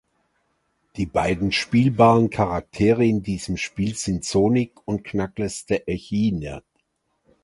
Die beiden spielbaren Charaktere in diesem Spiel sind Sonic und Knuckles the Echidna.